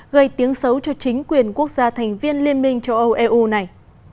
gây tiếng xấu cho chính quyền quốc gia thành viên liên minh châu âu eu này